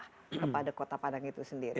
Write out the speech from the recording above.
kepada kota padang itu sendiri